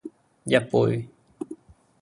一杯